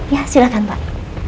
ya silahkan pak